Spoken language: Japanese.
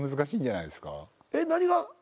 えっ何が？